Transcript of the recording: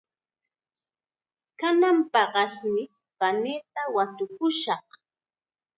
Kanan paqasmi paniita watukashaq.